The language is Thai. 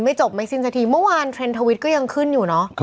จบไม่สิ้นสักทีเมื่อวานเทรนดทวิตก็ยังขึ้นอยู่เนอะ